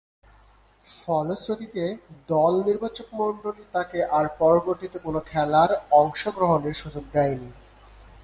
ফলশ্রুতিতে দল নির্বাচকমণ্ডলী তাকে আর পরবর্তীতে কোন খেলার অংশগ্রহণের সুযোগ দেয়নি।